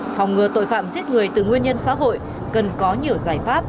phòng ngừa tội phạm giết người từ nguyên nhân xã hội cần có nhiều giải pháp